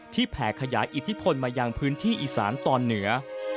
แผ่ขยายอิทธิพลมายังพื้นที่อีสานตอนเหนือ